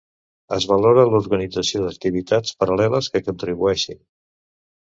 Es valora l'organització d'activitats paral·leles que contribueixin.